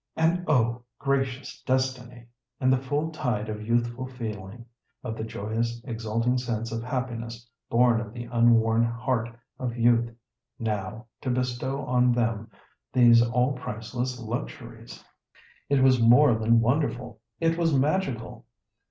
And oh, gracious destiny! in the full tide of youthful feeling, of the joyous exalting sense of happiness born of the unworn heart of youth, now to bestow on them these all priceless luxuries! It was more than wonderful—it was magical.